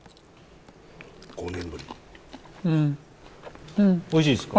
５年ぶりうんうんおいしいですか？